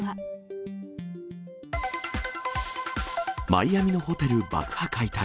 マイアミのホテル爆破解体。